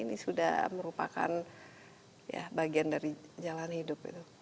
ini sudah merupakan bagian dari jalan hidup